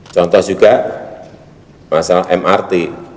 contoh juga masalah mrt